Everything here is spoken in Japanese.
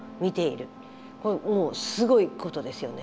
これもうすごいことですよね。